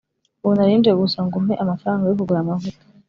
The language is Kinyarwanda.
Ubu nari nje gusa ngo umpe amafaranga yo kugura amavuta